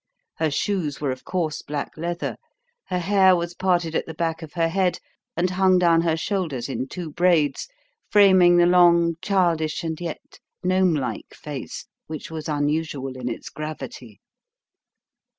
Her shoes were of coarse black leather. Her hair was parted at the back of her head and hung down her shoulders in two braids, framing the long, childish, and yet gnome like face, which was unusual in its gravity.